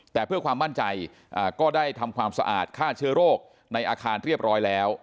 แต่เพื่อความมั่นใจก็ได้ทำความสะอาดฆ่าเชื้อโรคในอาคารเรียบร้อยแล้ว